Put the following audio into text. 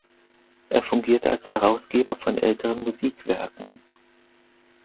Er fungierte als Herausgeber von älteren Musikwerken.